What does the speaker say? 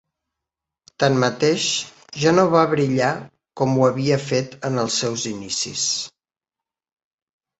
Tanmateix, ja no va brillar com ho havia fet en els seus inicis.